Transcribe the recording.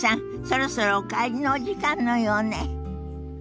そろそろお帰りのお時間のようね。